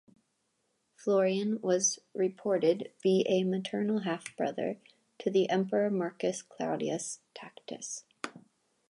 Florian was reported be a maternal half-brother to the Emperor Marcus Claudius Tacitus.